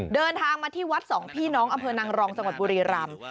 เดินทางมาที่วัดสองพี่น้องอำเภอนางรองจังหวัดบุรีรำ